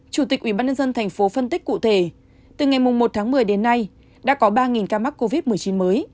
chủ tịch ubnd tp phân tích cụ thể từ ngày một tháng một mươi đến nay đã có ba ca mắc covid một mươi chín mới